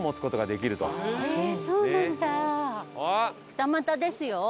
二股ですよ。